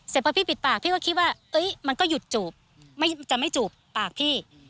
พอพี่ปิดปากพี่ก็คิดว่ามันก็หยุดจูบจะไม่จูบปากพี่